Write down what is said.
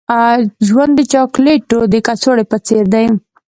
ژوند د چاکلیټو د کڅوړې په څیر دی.